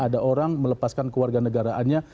ada orang melepaskan warga negaraannya